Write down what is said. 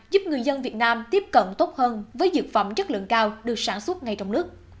giúp người dân việt nam tiếp cận tốt hơn với dược phẩm chất lượng cao được sản xuất ngay trong nước